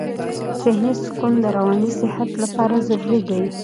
ذهني سکون د رواني صحت لپاره ضروري دی.